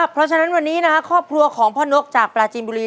เพราะฉะนั้นวันนี้ครอบครัวของพ่อนกจากปลาจีนบุรี